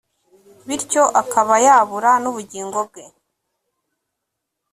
bityo akaba yabura n'ubugingo bwe